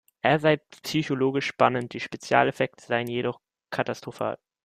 Er sei „"psychologisch spannend"“, die Spezialeffekte seien jedoch „"katastrophal"“.